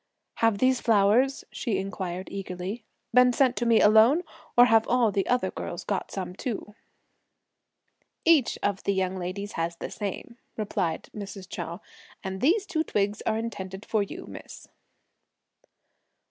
"Have these flowers," she inquired eagerly, "been sent to me alone, or have all the other girls got some too?" "Each one of the young ladies has the same," replied Mrs. Chou; "and these two twigs are intended for you, miss."